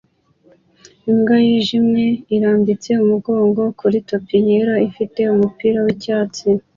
Imbwa yijimye irambitse umugongo kuri tapi yera ifite umupira wicyatsi